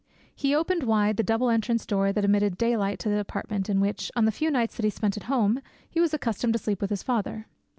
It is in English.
He opened wide the double entrance door that admitted daylight to the apartment in which, on the few nights that he spent at home, he was accustomed to sleep with his father.